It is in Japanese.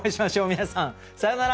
皆さんさようなら！